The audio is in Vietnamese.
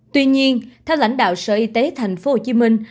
tuy nhiên theo lãnh đạo sở y tế thành phố hồ chí minh